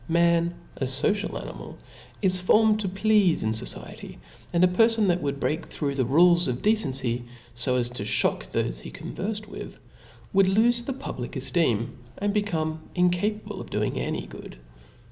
Man, a fociablfl^^ animal, is formed to pleafe in fociety ; and a per ? fon that would break through the rules of decency^ ib as to ihock thofe he converfed with, would lofe the public eftcem, and become incapable of doing apy good.